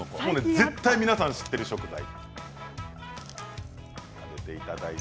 絶対皆さん知っている食材です。